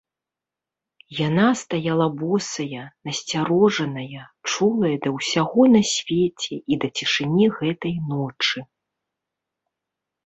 Яна стаяла босая, насцярожаная, чулая да ўсяго на свеце і да цішыні гэтай ночы.